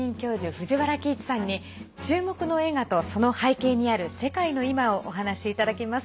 藤原帰一さんに注目の映画と、その背景にある世界の今をお話いただきます。